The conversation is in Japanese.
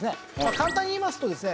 簡単に言いますとですね